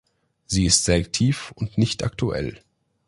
Sie ist selektiv und nicht aktuell.